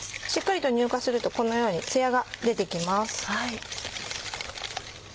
しっかりと乳化するとこのようにつやが出て来ます。